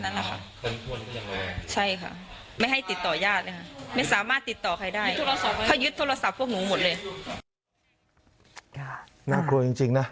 น่ากลัวจริงนะ